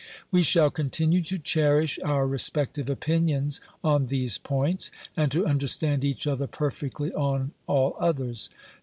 We shall continue to cherish our respective opinions on these points, and to understand each other perfectly on all others.